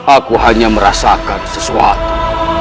aku hanya merasakan sesuatu